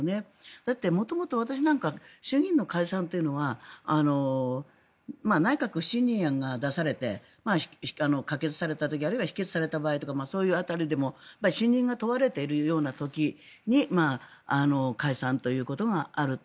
だって元々、私なんか衆議院の解散というのは内閣不信任案が出されて可決された時あるいは否決された場合でも信任が問われているような時に解散ということがあると。